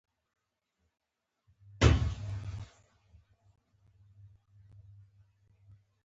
خان زمان بهر ولاړه او زه پر خپل کټ پروت وم.